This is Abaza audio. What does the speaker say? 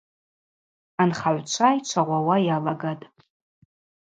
Анхагӏвчва йчвагъвауа йалагатӏ.